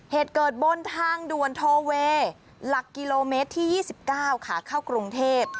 เหตุเกิดบนทางด่วนโทเวย์หลักกิโลเมตรที่๒๙ขาเข้ากรุงเทพ